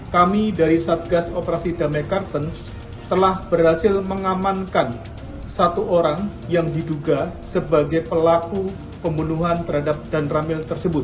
kami dari satgas operasi damai kartens telah berhasil mengamankan satu orang yang diduga sebagai pelaku pembunuhan terhadap dan ramil tersebut